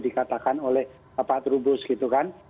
dikatakan oleh pak trubus gitu kan